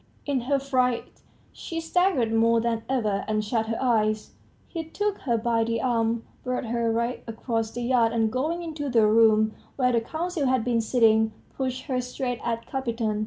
... In her fright she staggered more than ever, and shut her eyes. ... He took her by the arm, whirled her right across the yard, and going into the room where the council had been sitting, pushed her straight at Kapiton.